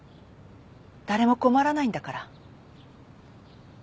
誰も困らないんだから。